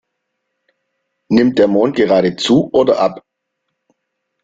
Nimmt der Mond gerade zu oder ab?